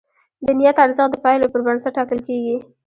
د نیت ارزښت د پایلو پر بنسټ ټاکل کېږي.